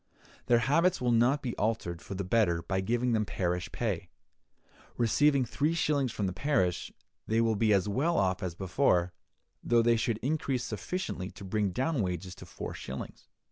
Their habits will not be altered for the better by giving them parish pay. Receiving three shillings from the parish, they will be as well off as before, though they should increase sufficiently to bring down wages to four shillings.